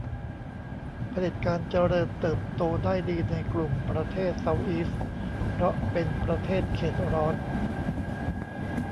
เผด็จการเจริญเติบโตได้ดีในกลุ่มประเทศเซาท์อีสต์เพราะเป็นประเทศเขตร้อน